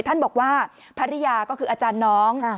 ท่านบอกว่าภรรยาก็คืออาจารย์น้อง